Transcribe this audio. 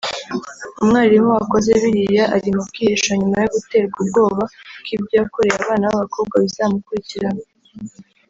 umwarimu wakoze biriya ari mu bwihisho nyuma yo guterwa ubwoba ko ibyo yakoreye abana b’abakobwa bizamukurikirana